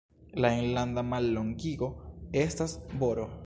La enlanda mallongigo estas Br.